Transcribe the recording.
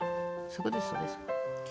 そうですそうです。